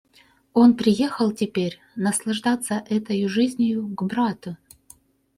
Он приехал теперь наслаждаться этою жизнию к брату.